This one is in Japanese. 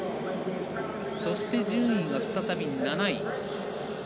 そして、順位が再び７位。